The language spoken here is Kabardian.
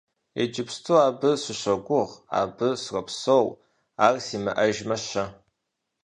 Иджыпсту абы сыщогугъ, абы сропсэу, ар симыӀэжмэ-щэ?